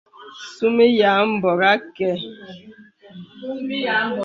Sūmī yà àbōrà àkə.